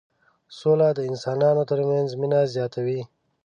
سوله د انسانانو ترمنځ مينه زياتوي.